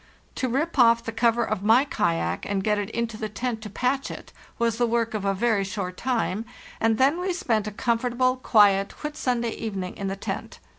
To rip off the cover of my kayak and get it into the tent to patch it was the work of a very short time, and then we spent a comfortable, quiet Whit sunday evening in the tent.